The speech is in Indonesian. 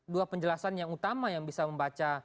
dua penjelasan yang utama yang bisa membaca